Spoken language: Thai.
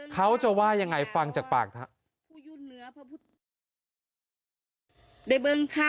เขาจะว่ายังไงฟังจากปากครับ